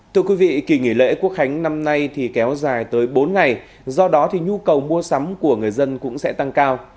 thưa quý vị kỳ nghỉ lễ quốc hành năm nay kéo dài tới bốn ngày do đó nhu cầu mua sắm của người dân cũng sẽ tăng cao